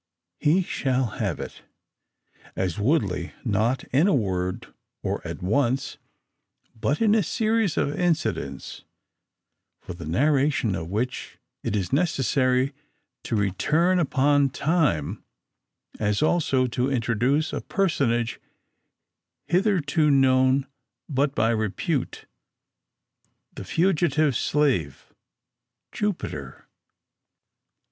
He shall have it, as Woodley, not in a word or at once, but in a series of incidents, for the narration of which it is necessary to return upon time; as also to introduce a personage hitherto known but by repute the fugitive slave, Jupiter.